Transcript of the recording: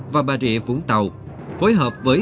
và bà rịa vũng tàu phối hợp với